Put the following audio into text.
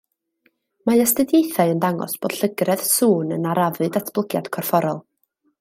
Mae astudiaethau yn dangos bod llygredd sŵn yn arafu datblygiad corfforol